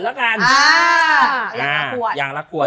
คุณชนะไปสุ่มหยิบมาอย่างละขวด